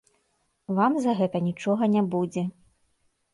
Вам за гэта нічога не будзе.